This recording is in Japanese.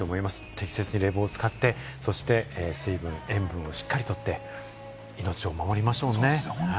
適切に冷房を使って、水分・塩分をしっかりとって、命を守りましょうね。